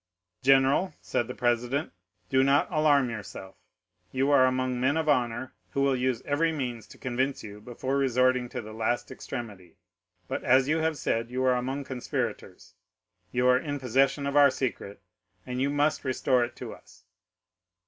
"General," said the president, "do not alarm yourself; you are among men of honor who will use every means to convince you before resorting to the last extremity, but as you have said, you are among conspirators, you are in possession of our secret, and you must restore it to us."